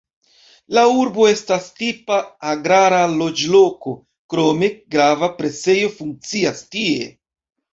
La urbo estas tipa agrara loĝloko, krome grava presejo funkcias tie.